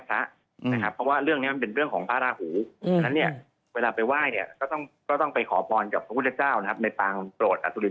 พระคุณฆรูปังสัอยญาติเนี่ย